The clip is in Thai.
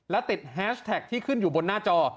และติดแฮชแท็กที่ขึ้นอยู่บนหน้าจอ